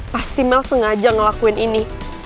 pasti mel sengaja ngelakuin ini